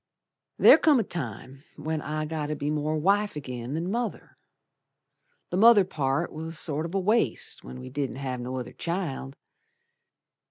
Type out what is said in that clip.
There come a time when I got to be More wife agin than mother. The mother part was sort of a waste When we didn't have no other child.